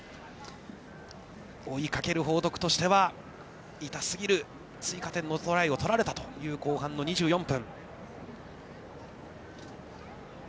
追いかける報徳としては痛すぎる追加点のトライを取られたという後半の２４分。